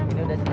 ini udah siap